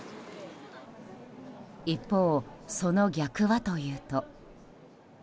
一方、その逆はというと。